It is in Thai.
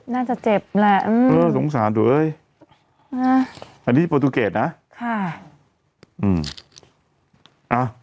น่าจะเจ็บแหละอืมเออสงสารตัวเองอันนี้โปรตูเกตนะค่ะอืมอ่ะ